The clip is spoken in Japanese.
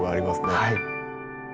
はい。